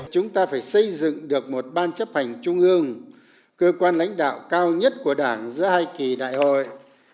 chúng ta phải xây dựng được một ban chấp hành trung ương cơ quan lãnh đạo cao nhất của đảng giữa hai kỳ đại hội